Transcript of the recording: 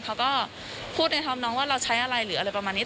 เขาก็พูดในธรรมน้องว่าเราใช้อะไรหรืออะไรประมาณนี้